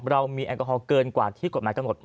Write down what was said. เรามีแอลกอฮอลเกินกว่าที่กฎหมายกำหนด